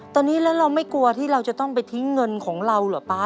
ตอนนี้แล้วเราไม่กลัวที่เราจะต้องไปทิ้งเงินของเราเหรอป๊า